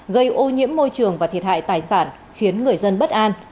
gây ô nhiễm môi trường và thiệt hại tài sản khiến người dân bất an